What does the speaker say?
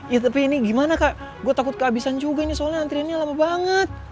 ya tapi ini gimana kak gue takut kehabisan juga ini soalnya antriannya lama banget